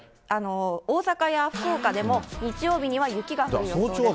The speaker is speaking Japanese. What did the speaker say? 大阪や福岡でも、日曜日には雪が降る予想です。